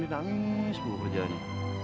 dinangis dulu kerjaannya